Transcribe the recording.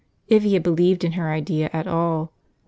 .. if he had believed in her idea at all.